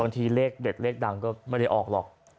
เลขเด็ดเลขดังก็ไม่ได้ออกหรอก